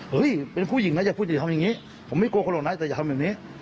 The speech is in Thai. เฮ้ยเป็นผู้หญิงนะอย่าพูดอย่าทำอย่างนี้ผมไม่กลัวคนหรอกนะแต่อย่าทำแบบนี้